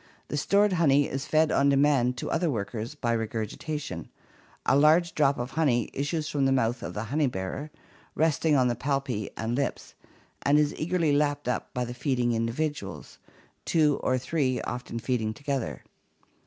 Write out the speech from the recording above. The stored honey is fed on demand to the other workers by regurgitation ; a large drop of honey issues from the mouth of the honey bearer, resting on the palpi and lips, and is eagerly lapped up by the feeding individuals, two or three often feeding together.